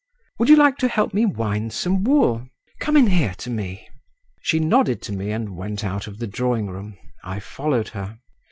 "Would you like to help me wind some wool? Come in here, to me." She nodded to me and went out of the drawing room. I followed her.